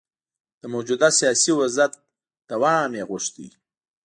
د موجوده سیاسي وضعیت دوام یې غوښت.